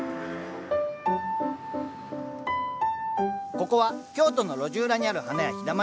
ここは京都の路地裏にある花屋「陽だまり屋」。